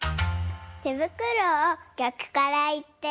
てぶくろをぎゃくからいって。